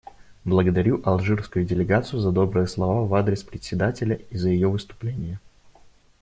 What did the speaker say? Благодарю алжирскую делегацию за добрые слова в адрес Председателя и за ее выступление.